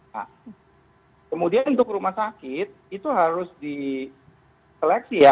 nah kemudian untuk rumah sakit itu harus diseleksi ya